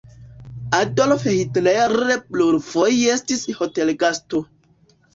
Adolf Hitler plurfoje estis hotelgasto.